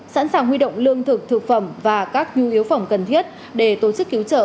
sẵn sàng huy động lương thực thực phẩm và các nhu yếu phẩm cần thiết để tổ chức cứu trợ